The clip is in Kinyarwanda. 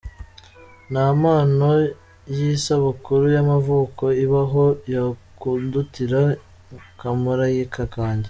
Nta mpano y’isabukuru y’amavuko ibaho yakundutira kamarayika kanjye”.